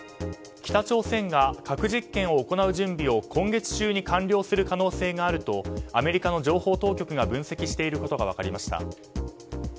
北朝鮮が核実験を行う準備を今月中に完了する可能性があるとアメリカの情報当局が分析していることが分かりました。